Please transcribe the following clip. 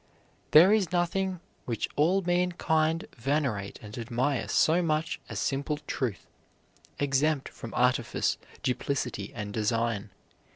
There is nothing which all mankind venerate and admire so much as simple truth, exempt from artifice, duplicity, and design.